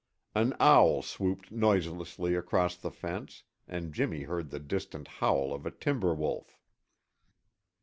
An owl swooped noiselessly across the fence, and Jimmy heard the distant howl of a timber wolf.